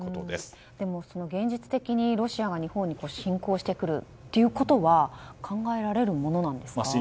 でも、現実的にロシアが日本に侵攻してくるということは考えられるものなんですか？